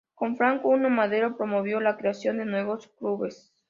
Con Francisco I. Madero promovió la creación de nuevos clubes.